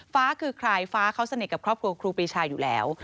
ฟ้าคือใครฟ้าเขาสนิทกับครอบครัวครูปีชาอยู่แล้ว